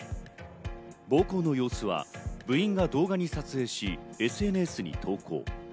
暴行の様子は部員が動画を撮影し、ＳＮＳに投稿。